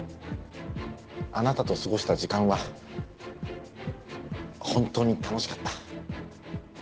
あなたと過ごした時間は本当に楽しかった。